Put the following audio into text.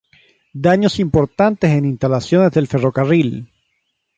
Daños importantes en instalaciones del ferrocarril.